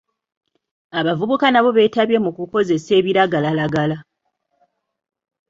Abavubuka nabo beetabye mu ku kozesa ebiragalalagala